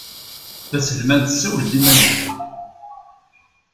Taselmadt tessawel-ad i Maziɣ.